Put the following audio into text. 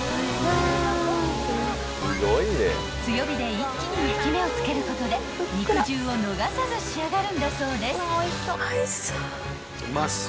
［強火で一気に焼き目をつけることで肉汁を逃さず仕上がるんだそうです］